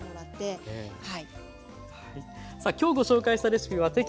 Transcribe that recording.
さあ今日ご紹介したレシピはテキスト